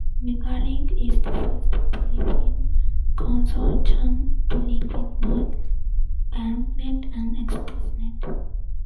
MegaLink is the first Philippine consortium to link with both BancNet and Expressnet.